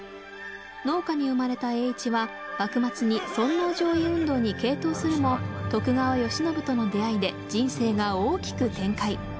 農家に生まれた栄一は幕末に尊王攘夷運動に傾倒するも徳川慶喜との出会いで人生が大きく展開。